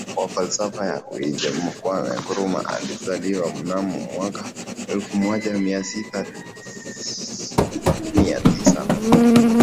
wa falsafa ya UmajinuniKwame Nkrumah alizaliwa mnamo mwaka elfu moja mia tisa na